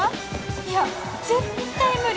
いや絶対無理！